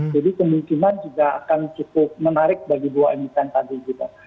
jadi kemungkinan juga akan cukup menarik bagi dua emiten tadi gitu